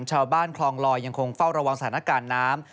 ชาวบ้านคลองลอยยังคงเฝ้าระวังสถานการณ์น้ำ